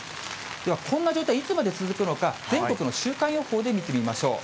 では、こんな状態、いつまで続くのか、全国の週間予報で見てみましょう。